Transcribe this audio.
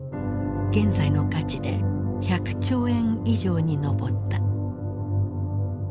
現在の価値で１００兆円以上に上った。